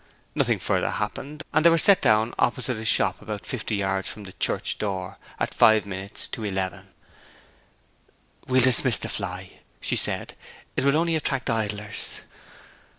Nothing further happened, and they were set down opposite a shop about fifty yards from the church door, at five minutes to eleven. 'We will dismiss the fly,' she said. 'It will only attract idlers.'